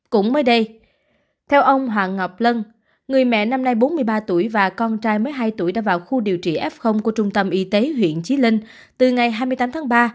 cũng mới đây theo ông hoàng ngọc lân người mẹ năm nay bốn mươi ba tuổi và con trai mới hai tuổi đã vào khu điều trị f của trung tâm y tế huyện chí linh từ ngày hai mươi tám tháng ba